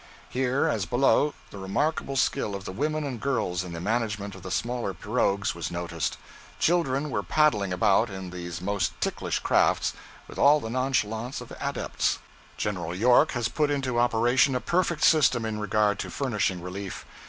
Here, as below, the remarkable skill of the women and girls in the management of the smaller pirogues was noticed. Children were paddling about in these most ticklish crafts with all the nonchalance of adepts. General York has put into operation a perfect system in regard to furnishing relief.